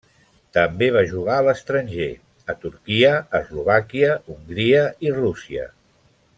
També va jugar a l'estranger, a Turquia, Eslovàquia, Hongria i Rússia.